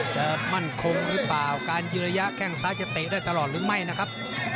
จะมั่นคงรึเปล่าการยืนระยะแข้งซ้ายจะเตะได้ยังไหร่นะครับ